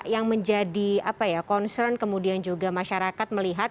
yang menjadi concern kemudian juga masyarakat melihat